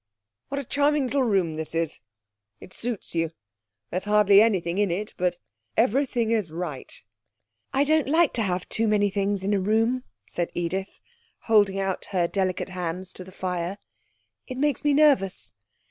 What a charming little room this is. It suits you. There's hardly anything in it, but everything is right.' 'I don't like to have many things in a room,' said Edith, holding out her delicate hands to the fire. 'It makes me nervous.